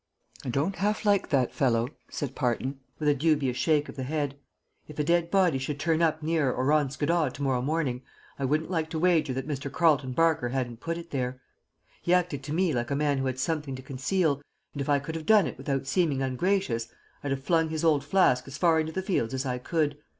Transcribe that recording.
"I don't half like that fellow," said Parton, with a dubious shake of the head. "If a dead body should turn up near or on Skiddaw to morrow morning, I wouldn't like to wager that Mr. Carleton Barker hadn't put it there. He acted to me like a man who had something to conceal, and if I could have done it without seeming ungracious, I'd have flung his old flask as far into the fields as I could.